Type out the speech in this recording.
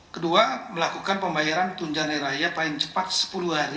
kedua melakukan pembayaran tunjangan air raya paling cepat sepuluh hari